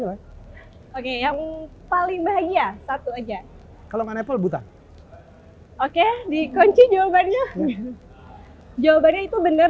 yang paling bahagia satu aja kalau nggak buta oke dikunci jawabannya jawabannya itu bener